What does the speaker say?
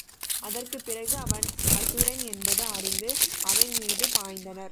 அதற்குப்பிறகு அவன் அசுரன் என்பது அறிந்து அவன்மீது பாய்ந்தனர்.